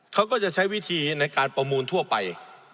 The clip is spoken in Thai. เขาก็จะใช้วิธีในการประมูลทั่วไป